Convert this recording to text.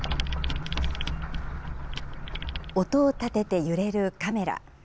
音を立てて揺れるカメラ。